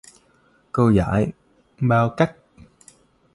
Cô dạy bao cách